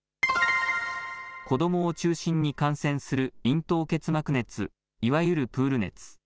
子どもを中心に感染する咽頭結膜熱、いわゆるプール熱。